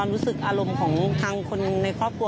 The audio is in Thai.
รู้สึกอารมณ์ของทางคนในครอบครัว